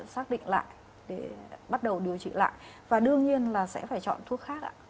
xác định lại để bắt đầu điều trị lại và đương nhiên là sẽ phải chọn thuốc khác ạ